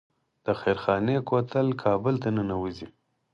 د خیرخانې کوتل کابل ته ننوځي